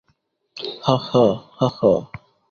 হাঃ হাঃ হাঃ হাঃ!